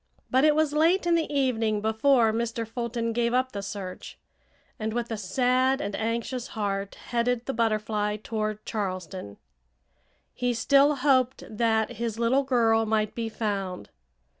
But it was late in the evening before Mr. Fulton gave up the search, and with a sad and anxious heart headed the Butterfly toward Charleston. He still hoped that his little girl might be found.